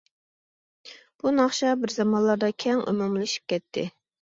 بۇ ناخشا بىر زامانلاردا كەڭ ئومۇملىشىپ كەتتى.